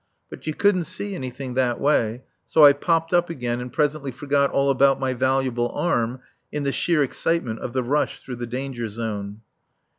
But you couldn't see anything that way, so I popped up again and presently forgot all about my valuable arm in the sheer excitement of the rush through the danger zone.